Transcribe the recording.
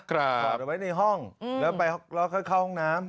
ถอดไว้ในห้องแล้วเข้าห้องน้ำ